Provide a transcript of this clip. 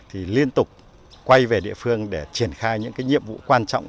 thì liên tục quay về địa phương để triển khai những cái nhiệm vụ quan trọng